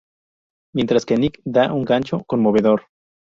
Mientras que Nick da un gancho conmovedor.